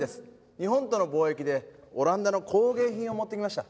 日本との貿易でオランダの工芸品を持ってきました。